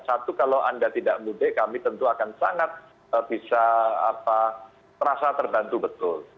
satu kalau anda tidak mudik kami tentu akan sangat bisa merasa terbantu betul